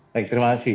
baik terima kasih